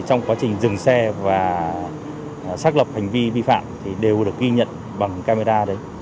trong quá trình dừng xe và xác lập hành vi vi phạm đều được ghi nhận bằng camera